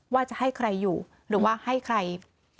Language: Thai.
ว่าจะให้ใครอยู่หรือว่าให้ใคร